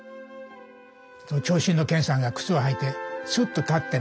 長身の健さんが靴を履いてすっと立ってね。